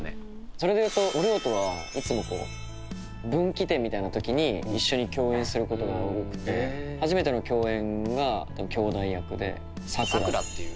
それで言うとお亮とはいつも分岐点みたいなときに一緒に共演することが多くて「さくら」っていう。